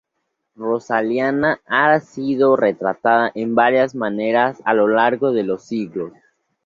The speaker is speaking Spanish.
Rosalina ha sido retratada de varias maneras a lo largo de los siglos.